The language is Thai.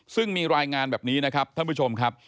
ซึ่งมีรายงานแบบนี้นะครับท่านผู้ชมครับ